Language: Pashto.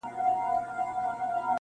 په عزت یې وو دربار ته وربللی-